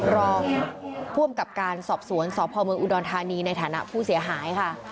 รองผู้อำกับการสอบสวนสพเมืองอุดรธานีในฐานะผู้เสียหายค่ะ